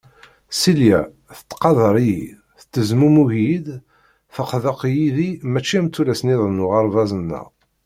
Silya tettqadar-iyi, tettezmumug-iyi-d, teḥdeq yid-i mačči am tullas-niḍen n uɣerbaz-nneɣ.